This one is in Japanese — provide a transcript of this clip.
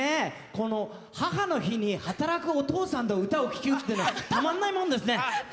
母の日に働くお父さんの歌を聴くっていうのはたまんないもんですね。